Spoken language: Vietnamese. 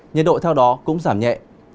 nhiệt độ theo đó cũng giảm nhẹ